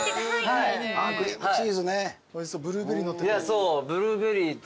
そうブルーベリーと。